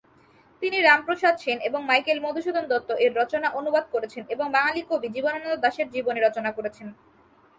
তিনি রামপ্রসাদ সেন এবং মাইকেল মধুসূদন দত্ত-এর রচনা অনুবাদ করেছেন এবং বাঙালি কবি জীবনানন্দ দাশের জীবনী রচনা করেছেন।